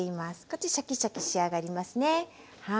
こっちシャキシャキ仕上がりますね。